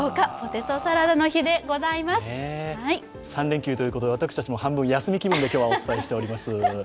３連休ということで、私たちも半分休み気分でお伝えしています。